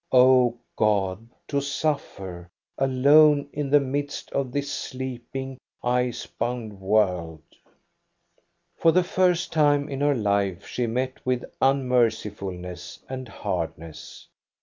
O God, to suffer alone in the midst of this sleeping, ice bound world ! For the first time in her life she met with unmerci fulness and hardness.